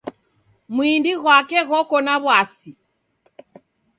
Mwindi ghwake ghoko na wasi